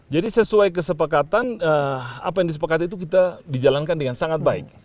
jadi sesuai kesepakatan apa yang disepakati itu kita dijalankan dengan sangat baik